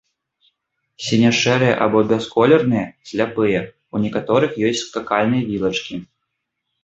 Сіне-шэрыя або бясколерныя, сляпыя, у некаторых ёсць скакальныя вілачкі.